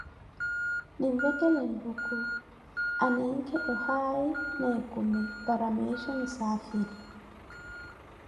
Ninvekhele Nluku, aninke ohaayi na ekumi para meesho nisaafiri.